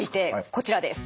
こちらです。